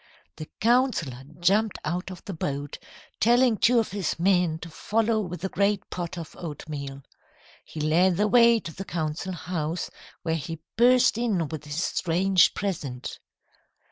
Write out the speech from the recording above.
"The councillor jumped out of the boat, telling two of his men to follow with the great pot of oatmeal. He led the way to the council house, where he burst in with his strange present.